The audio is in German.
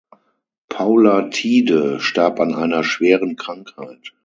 Paula Thiede starb an einer schweren Krankheit.